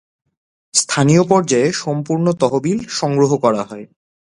স্থানীয় পর্যায়ে সম্পূর্ণ তহবিল সংগ্রহ করা হয়।